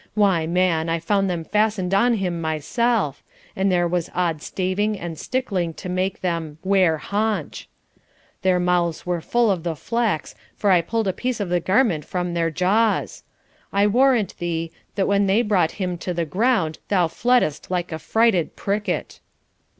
Why, man, I found them fastened on him myself; and there was odd staving and stickling to make them "ware haunch!" Their mouths were full of the flex, for I pulled a piece of the garment from their jaws. I warrant thee, that when they brought him to ground thou fledst like a frighted pricket.'